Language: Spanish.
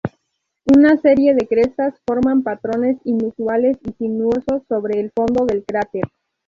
Una serie de crestas forman patrones inusuales y sinuosos sobre el fondo del cráter.